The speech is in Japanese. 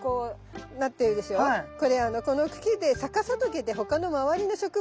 これこの茎で逆さトゲで他の周りの植物